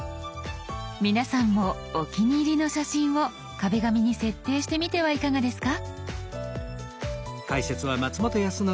皆さんもお気に入りの写真を「壁紙」に設定してみてはいかがですか？